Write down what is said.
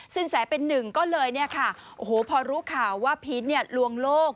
สินแสเป็นหนึ่งก็เลยเนี่ยค่ะโอ้โหพอรู้ข่าวว่าพีชลวงโลก